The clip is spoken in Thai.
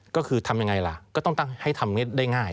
ก็คือทำยังไงล่ะก็ต้องให้ทำได้ง่าย